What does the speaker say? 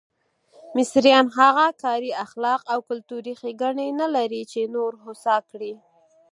مصریان هغه کاري اخلاق او کلتوري ښېګڼې نه لري چې نور هوسا کړي.